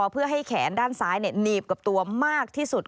เพื่อให้แขนด้านซ้ายหนีบกับตัวมากที่สุด